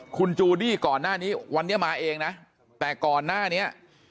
คุณจูดี้ก่อนหน้านี้วันนี้มาเองนะแต่ก่อนหน้านี้